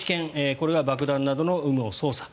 これが爆弾などの有無を捜査。